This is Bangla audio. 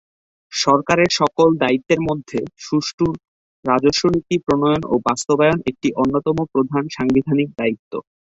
সরকারের সকল দায়িত্বের মধ্যে সুষ্ঠু রাজস্ব নীতি প্রণয়ন ও বাস্তবায়ন একটি অন্যতম প্রধান সাংবিধানিক দায়িত্ব।